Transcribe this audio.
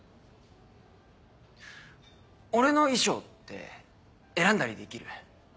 俺の衣装って選んだりできる？